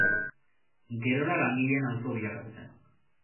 Gerora langileen auzo bilakatu zen.